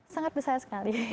sangat besar sekali